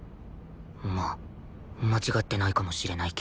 まあ間違ってないかもしれないけど